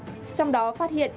trong đó phát hiện